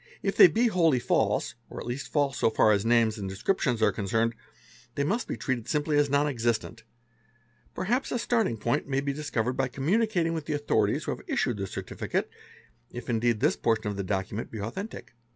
If they be wholly false, or at least false so far as names and descrip jlons are concerned, they must be treated simply as non existent ; perhaps a starting point may be discovered by communicating with the authorities who have issued the certificate, if, indeed, this portion of the document e authentic.